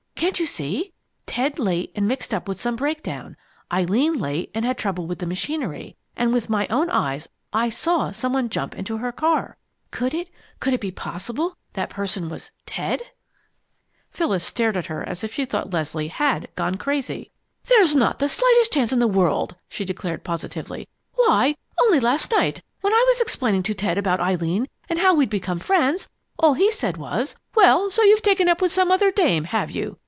Can't you see? Ted late and mixed up with some breakdown Eileen late and had trouble with the machinery, and with my own eyes I saw some one jump into her car! Could it, could it be possible that person was Ted?" Phyllis stared at her as if she thought Leslie certainly had "gone crazy." "There's not the slightest chance in the world!" she declared positively. "Why, only last night, when I was explaining to Ted about Eileen and how we'd become friends, all he said was: 'Well, so you've taken up with some other dame, have you!